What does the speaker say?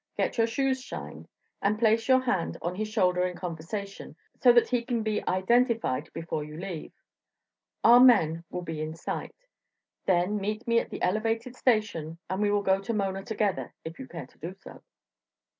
Get your shoes shined, and place your hand on his shoulder in conversation, so that he can be identified before you leave. Our men will be in sight. Then meet me at the elevated station, and we will go to Mona together, if you care to do so."